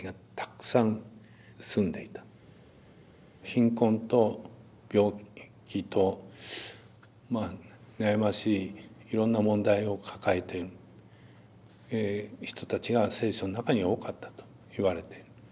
貧困と病気とまあ悩ましいいろんな問題を抱えてる人たちが聖書の中には多かったと言われている。